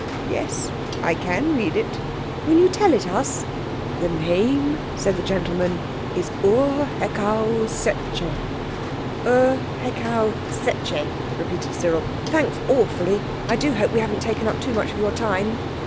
"Yes, I can read it." "Will you tell it us?" "The name," said the gentleman, "is Ur Hekau Setcheh." "Ur Hekau Setcheh," repeated Cyril. "Thanks awfully. I do hope we haven't taken up too much of your time."